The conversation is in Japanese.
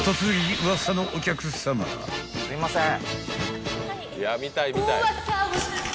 すいません。